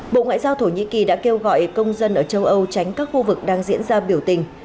bộ ngoại giao thổ nhĩ kỳ đã kêu gọi công dân ở châu âu tránh các khu vực đang diễn ra biểu tình